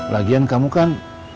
lagian kamu kan